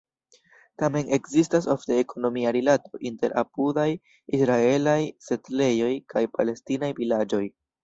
Tamen ekzistas ofte ekonomia rilato inter apudaj israelaj setlejoj kaj palestinaj vilaĝoj.